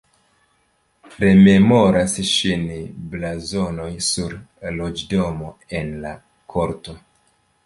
Rememoras ŝin blazonoj sur loĝdomo en la korto.